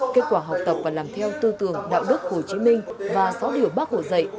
kết quả học tập và làm theo tư tưởng đạo đức hồ chí minh và sáu điều bác hồ dạy